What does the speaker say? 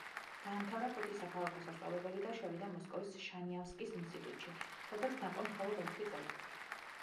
დაამთავრა ფოთის საქალაქო სასწავლებელი და შევიდა მოსკოვის შანიავსკის ინსტიტუტში, სადაც დაყო მხოლოდ ერთი წელი.